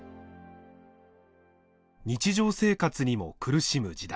日常生活にも苦しむ時代。